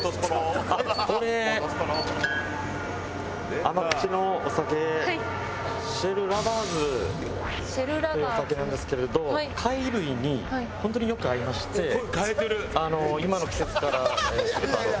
これ甘口のお酒シェルラバーズっていうお酒なんですけれど貝類に本当によく合いまして今の季節から。